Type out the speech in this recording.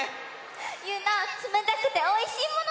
ゆうなつめたくておいしいもの